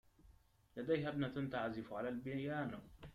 لديها ابنة تعزف على البيانو.